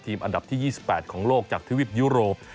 อันดับที่๒๘ของโลกจากทวิปยุโรป